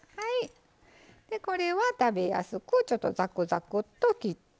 これは食べやすくちょっとザクザクッと切って。